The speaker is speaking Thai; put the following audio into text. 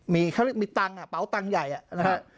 มีตังค์อ่ะเป๋าตังค์ใหญ่นะครับ